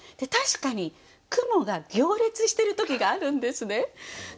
確かに雲が行列してる時があるんですね。